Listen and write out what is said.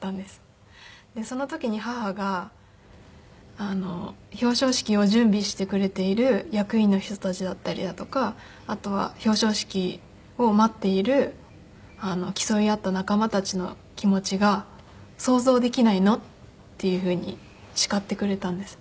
その時に母が「表彰式を準備してくれている役員の人たちだったりだとかあとは表彰式を待っている競い合った仲間たちの気持ちが想像できないの？」っていうふうに叱ってくれたんです。